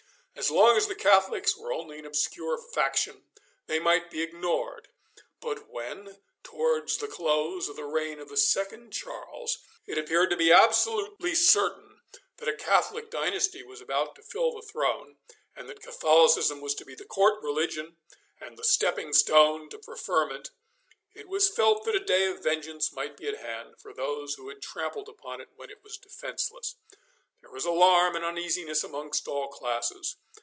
As long as the Catholics were only an obscure faction they might be ignored, but when, towards the close of the reign of the second Charles, it appeared to be absolutely certain that a Catholic dynasty was about to fill the throne, and that Catholicism was to be the court religion and the stepping stone to preferment, it was felt that a day of vengeance might be at hand for those who had trampled upon it when it was defenceless. There was alarm and uneasiness amongst all classes.